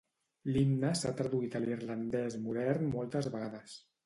L'himne s'ha traduït a l'irlandès modern moltes vegades.